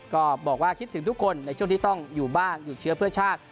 ก็บอกว่าคิดถึงทุกคนในช่วงที่ต้องอยู่บ้านหยุดเชื้อเพื่อชาติ